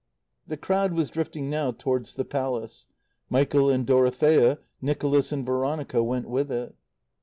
The crowd was drifting now towards the Palace. Michael and Dorothea, Nicholas and Veronica, went with it.